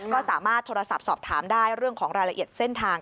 ก็สามารถโทรศัพท์สอบถามได้เรื่องของรายละเอียดเส้นทาง